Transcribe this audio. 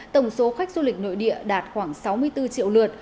tổng số khách du lịch nội địa đạt khoảng sáu mươi bốn triệu lượt